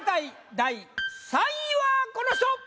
第３位はこの人！